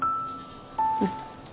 うん。